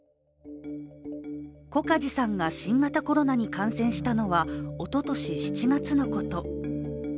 小梶さんが新型コロナに感染したのはおととし７月のこと。